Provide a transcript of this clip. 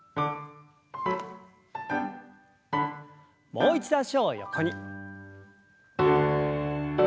もう一度脚を横に。